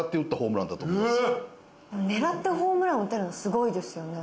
狙ってホームランを打てるのすごいですよね。